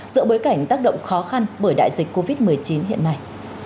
giữa bối cảnh tác động khó khăn bởi đại dịch covid một mươi chín hiện nay